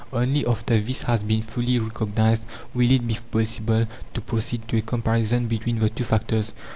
Only after this has been fully recognized will it be possible to proceed to a comparison between the two factors.